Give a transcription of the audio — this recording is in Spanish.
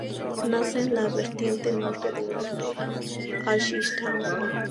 Nace en la vertiente norte del monte Azish-tau.